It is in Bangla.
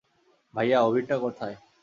ভাইয়া, অভিরটা কোথায়?